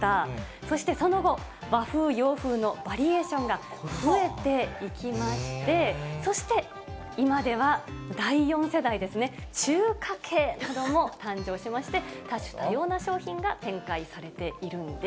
そしてその後、和風、洋風のバリエーションが増えていきまして、そして今では第４世代ですね、中華系なども誕生しまして、多種多様な商品が展開されているんです。